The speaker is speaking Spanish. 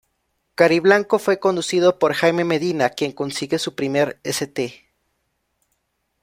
Cariblanco fue conducido por Jaime Medina, quien consigue su primer "St.